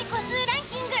ランキング